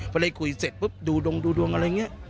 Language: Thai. พอได้คุยเสร็จปุ๊บดูดงดูดวงอะไรอย่างนี้